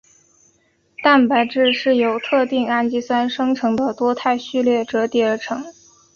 蛋白质是由特定氨基酸生成的多肽序列折叠而成。